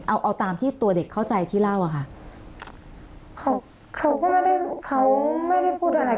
เอาเอาตามที่ตัวเด็กเข้าใจที่เล่าอะค่ะเขาเขาก็ไม่ได้เขาไม่ได้พูดอะไร